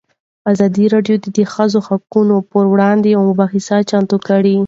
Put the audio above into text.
ازادي راډیو د د ښځو حقونه پر وړاندې یوه مباحثه چمتو کړې.